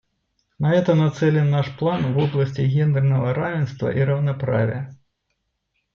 На это нацелен наш план в области гендерного равенства и равноправия.